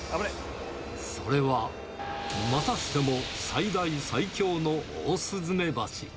それはまたしても最大、最強のオオスズメバチ。